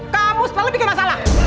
kamu sekali lagi kena masalah